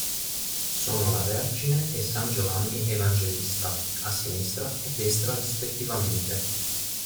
Sono la "Vergine" e "san Giovanni evangelista", a sinistra e destra rispettivamente.